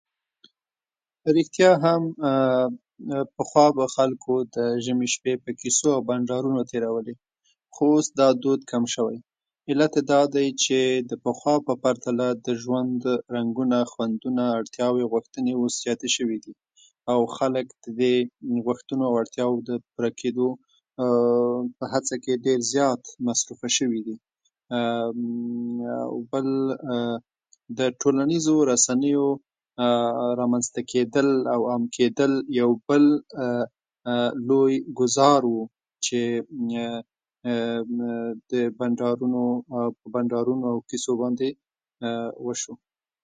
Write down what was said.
ریښتیا هم پخوا به خلکو د ژمي شپې په کیسو او بنډارونو تېرولې، خو اوس دا دود کم شوی. علت یې دا ده چې د پخوا په پرتله د ژوند رنګونه، خوندونه، اړتیاوې، غوښتنې اوس زیاتې شوي دي، او خلک د دې غوښتنو او اړتیاوو د پوره کېدو هڅې کې ډېر زیات مصروفه شوي دي. او بل د ټولنیزو رسنیو رامنځته کېدل او عام کېدل یو بل لوی ګوزار و، چې د بنډارونو، بنډارونو او کیسو باندې وشو.